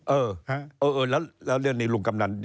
เออแล้วเรื่องนี้ลุงกำนัน